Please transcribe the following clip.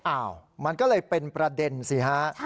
อ้าวมันก็เลยเป็นประเด็นสิฮะ